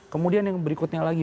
kemudian yang berikutnya lagi